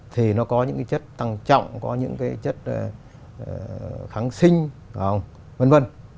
thì nó có những cái chất tăng trọng có những cái chất kháng sinh v v